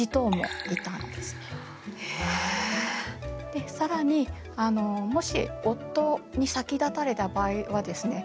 で更にもし夫に先立たれた場合はですね